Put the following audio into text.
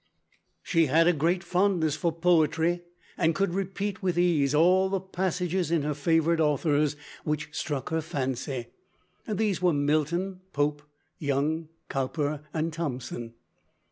"She had a great fondness for poetry, and could repeat with ease all the passages in her favorite authors which struck her fancy. These were Milton, Pope, Young, Cowper, and Thompson.